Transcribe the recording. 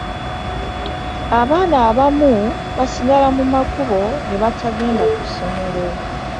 Abaana abamu n'asigala mu makubo ne batagenda ku ssomero.